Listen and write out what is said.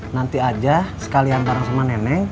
nanti aja sekalian bareng sama nenek